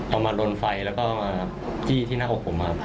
เอามาลนไฟแล้วก็เอามาจี้ที่หน้าอกผม